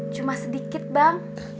cuma sedikit bang